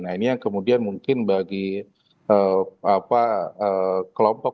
nah ini yang kemudian mungkin bagi kelompok